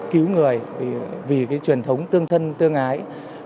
cứu người vì truyền thống tương thân tương ái